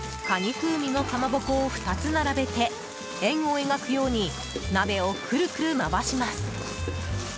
風味のかまぼこを２つ並べて円を描くように鍋をくるくる回します。